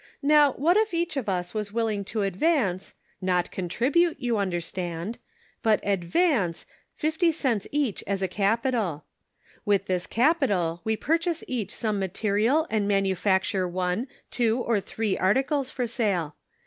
Now, what if each of us was willing to advance — not contribute, you understand — but advance fifty cents each as a capital. With this capital we purchase each some material and manufacture one, two or three articles for sale.